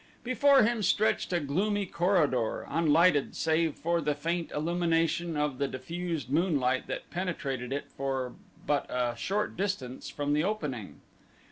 Before him stretched a gloomy corridor, unlighted save for the faint illumination of the diffused moonlight that penetrated it for but a short distance from the opening.